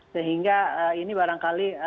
sehingga ini barangkali